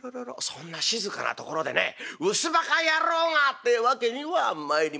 そんな静かなところでね「うすバカ野郎が！」ってわけにはまいりません。